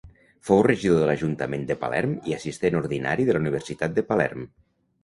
Fou regidor de l'ajuntament de Palerm i assistent ordinari de la Universitat de Palerm.